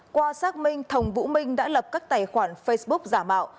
qua xác minh thồng vũ minh đã lập các tài khoản facebook giả mạo